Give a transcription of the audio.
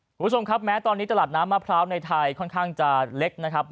คุณผู้ชมครับแม้ตอนนี้ตลาดน้ำมะพร้าวในไทยค่อนข้างจะเล็กนะครับ